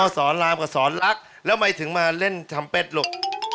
สอนรามกับสอนลักษณ์แล้วทำไมถึงมาเล่นทำเป็ดลูก